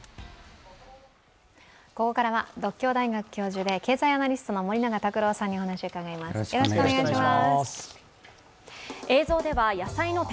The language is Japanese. ここからは獨協大学教授で経済アナリストの森永卓郎さんにお話を伺います。